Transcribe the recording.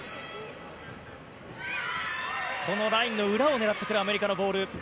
ラインの裏を狙ってくるアメリカのボール。